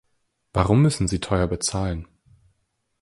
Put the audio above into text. Warum müssen sie teuer bezahlen?